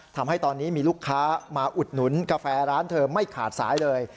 ทำให้ตอนนี้มีลูกค้ามาอุดหนุนกาแฟร้านเธอไม่ขาดสายเลย